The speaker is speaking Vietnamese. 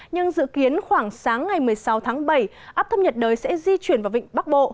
nhưng dự kiến khoảng sáng ngày một mươi sáu tháng bảy áp thâm nhật đời sẽ di chuyển vào vịnh bắc bộ